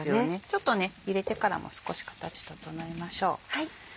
ちょっと入れてからも少し形整えましょう。